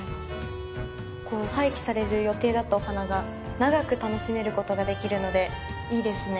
こう廃棄される予定だったお花が長く楽しめることができるのでいいですね。